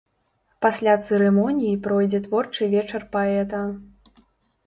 Пасля цырымоніі пройдзе творчы вечар паэта.